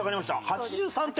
８３点。